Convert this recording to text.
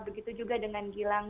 begitu juga dengan gilang